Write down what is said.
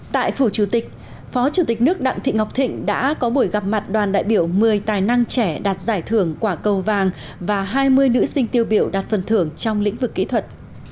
tại phủ chủ tịch phó chủ tịch nước đặng thị ngọc thịnh đã có buổi gặp mặt đoàn đại biểu một mươi tài năng trẻ đạt giải thưởng quả cầu vàng và hai mươi nữ sinh tiêu biểu đạt phần thưởng trong lĩnh vực kỹ thuật